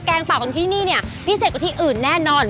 งปากของที่นี่เนี่ยพิเศษกว่าที่อื่นแน่นอน